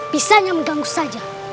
bisanya mengganggu saja